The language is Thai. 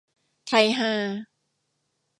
ไทยฮา